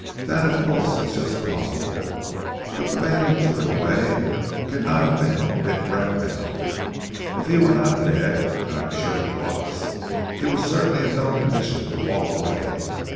"That of course is just possible, but the man who took it away cannot have been Dick Bracknell. If he were not dead and I am sure he was he certainly was in no condition to walk away.